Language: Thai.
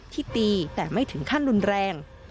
ที่ตีแต่ไม่ถึงขั้นรุนแรง